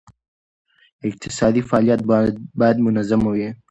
اقتصادي فعالیت باید منظمه وي.